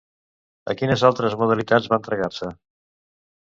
A quines altres modalitats va entregar-se?